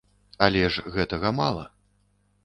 Але ж гэтага мала.